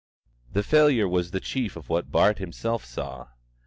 The failure was the chief of what Bart himself saw.